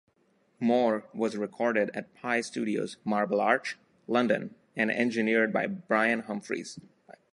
"More" was recorded at Pye Studios, Marble Arch, London and engineered by Brian Humphries.